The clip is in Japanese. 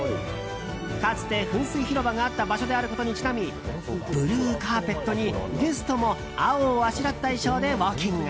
かつて噴水広場があった場所であることにちなみブルーカーペットにゲストも青をあしらった衣装でウォーキング。